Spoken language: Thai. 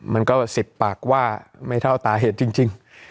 มันก็๑๐ปากว่าไม่เท่าตาเหตุจริง